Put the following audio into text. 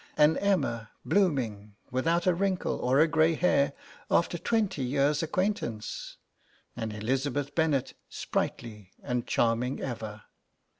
An Emma, blooming, without a wrinkle or a grey hair, after twenty years' acquaintance; an Elizabeth Bennet, sprightly and charming ever....